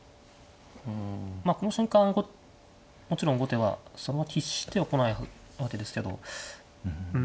まあこの瞬間もちろん後手はそれはこないわけですけど。